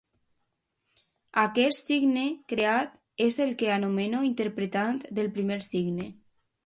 Aquest signe creat és el que anomeno interpretant del primer signe.